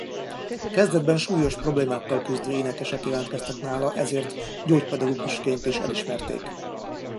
Kezdetben súlyos problémákkal küzdő énekesek jelentkeztek nála ezért gyógypedagógusként is elismerték.